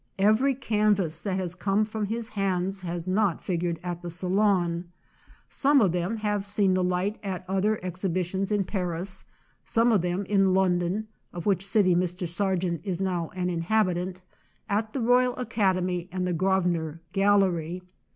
Every canvas that has come from his hands has not figured at the Salon; some of them have seen the light at oth er exhibitions in Paris; some of them in London (of which city Mr. Sargent is now an inhabitant), at the Royal Academy and the Grosvenor Gallery.